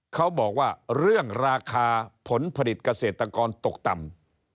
เขาบอกว่าเรื่องราคาผลผลิตเกษตรกรตกต่ำ